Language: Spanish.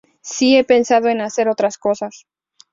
Sí he pensado en hacer otras cosas".